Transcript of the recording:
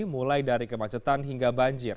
mulai dari kemacetan hingga banjir